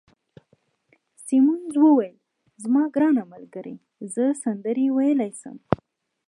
سیمونز وویل: زما ګرانه ملګرې، زه سندرې ویلای شم.